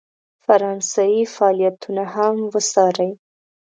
فرانسې فعالیتونه هم وڅاري.